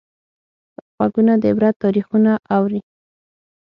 غوږونه د عبرت تاریخونه اوري